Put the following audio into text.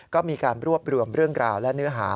ก็มีการรวบรวมเรื่องราวและเนื้อหา